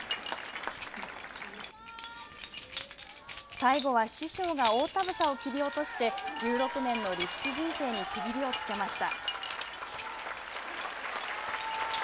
最後は師匠が大たぶさを切り落として１６年の力士人生に区切りをつけました。